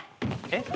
えっ？